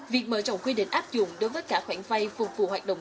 việc mở rộng quy định áp dụng đối với cả khoản vay phục vụ hoạt động